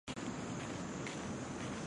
皮特姆。